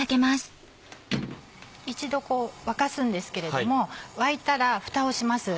一度沸かすんですけれども沸いたらふたをします。